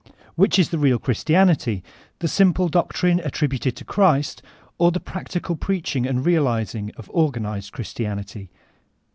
Which is the real Christianity, the simple doctrine at tributed to Christ or the practical preaching and realizing of organized Christianity?